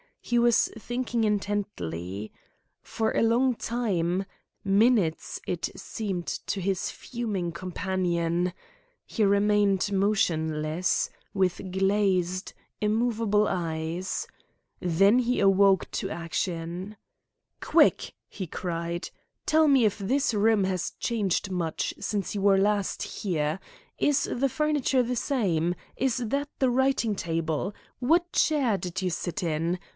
He was thinking intently. For a long time minutes it seemed to his fuming companion he remained motionless, with glazed, immovable eyes. Then he awoke to action. "Quick!" he cried. "Tell me if this room has changed much since you were last here. Is the furniture the same? Is that the writing table? What chair did you sit in?